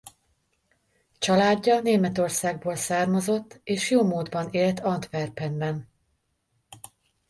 Családja Németországból származott és jómódban élt Antwerpenben.